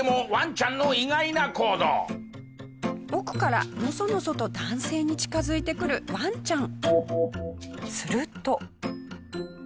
続いても奥からのそのそと男性に近づいてくるワンちゃん。